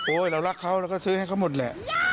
เรารักเขาเราก็ซื้อให้เขาหมดแหละ